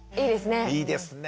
いいですね。